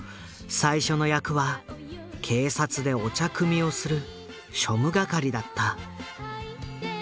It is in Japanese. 最初の役は警察でお茶くみをする庶務係だった。